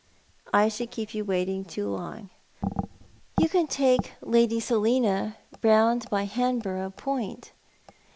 I should keep you waiting too long. You can take Lady Selina round by Hanborough Point."